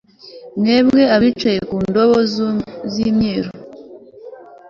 mwebwe abicaye ku ndogobe z'imyeru